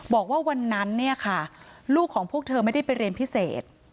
บอกว่าวันนั้นเนี่ยค่ะลูกของพวกเธอไม่ได้ไปเรียนพิเศษ